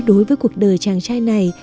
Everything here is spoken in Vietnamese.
đối với cuộc đời chàng trai này